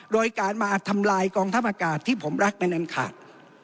โดยการมาทำลายกองทัพอากาศที่ผมรักเป็นอันขาด